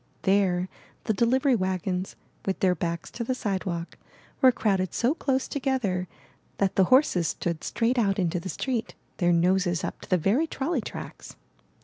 There the delivery wagons, with their backs to the sidewalk, were crowded so close together that the horses stood straight out into the street, their noses up to the very trolley tracks.